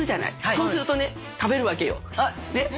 そうするとね食べるわけよねっ。